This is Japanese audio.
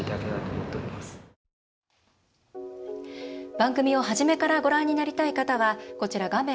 番組を初めからご覧になりたい方は、こちら画面